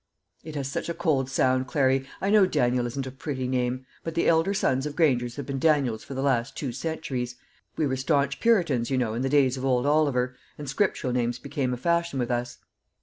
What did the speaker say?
"It has such a cold sound, Clary. I know Daniel isn't a pretty name; but the elder sons of Grangers have been Daniels for the last two centuries. We were stanch Puritans, you know, in the days of old Oliver, and scriptural names became a fashion with us.